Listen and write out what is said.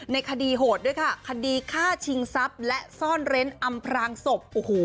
ในคดีโหดด้วยค่ะคดีฆ่าชิงทรัพย์และซ่อนเร้นอำพรางศพโอ้โห